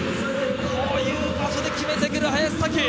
こういう場所で決めてくる林咲希。